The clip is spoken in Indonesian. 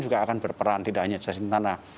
juga akan berperan tidak hanya jasing tanah